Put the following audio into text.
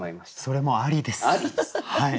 それもありです。